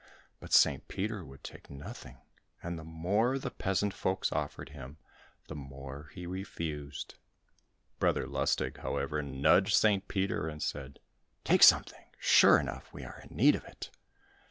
But St. Peter would take nothing, and the more the peasant folks offered him, the more he refused. Brother Lustig, however, nudged St. Peter, and said, "Take something; sure enough we are in need of it."